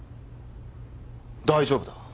大丈夫だ。